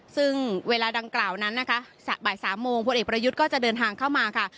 ซึ่งเวลาดังกล่าวนั้นนะคะบ่ายสามโมงพลเอกประยุทธ์ก็จะเดินทางเข้ามาค่ะ